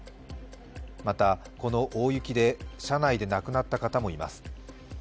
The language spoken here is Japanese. また、この大雪で車内で亡くなった方もいます。